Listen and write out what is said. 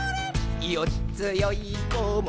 「よっつよいこも